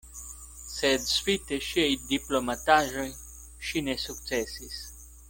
Sed spite ŝiaj diplomataĵoj ŝi ne sukcesis.